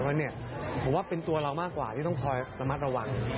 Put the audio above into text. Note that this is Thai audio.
แล้วนี่ผมว่าเป็นตัวเรามากกว่าที่ต้องคอยสมัครระวัง